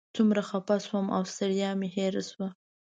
څومره خفه شوم او ستړیا مې هېره شوه.